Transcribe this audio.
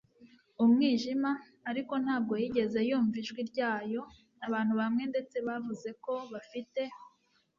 umwijima, ariko ntabwo yigeze yumva ijwi ryayo. abantu bamwe ndetse bavuze ko bafite